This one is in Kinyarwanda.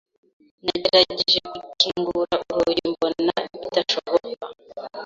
Nagerageje gukingura urugi, mbona bidashoboka.